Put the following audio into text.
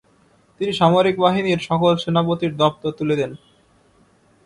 তিনি সামরিক বাহিনীর সকল সেনাপতির দপ্তর তুলে দেন।